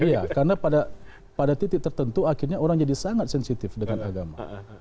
iya karena pada titik tertentu akhirnya orang jadi sangat sensitif dengan agama